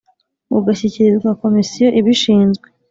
bugashyikirizwa komisiyo ib ishinzwe